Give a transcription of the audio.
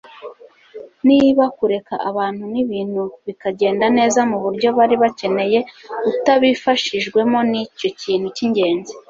niba kureka abantu nibintu bikagenda neza muburyo bari bakeneye utabifashijwemo nicyo kintu cyingenzi